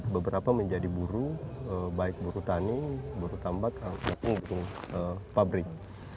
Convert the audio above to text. beberapa menjadi buru baik buru tani buru tambat atau pengunjung pabrik